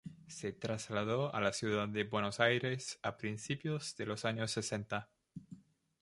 Se trasladó a la ciudad de Buenos Aires a principios de los años sesenta.